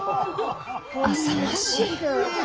あさましい。